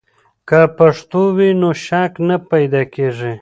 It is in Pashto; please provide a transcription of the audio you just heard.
که پښتو وي، نو شک نه پیدا کیږي.